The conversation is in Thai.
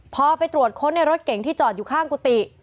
พอไปตรวจค้นในรถเก่งที่จอดอยู่ข้างกุฏิ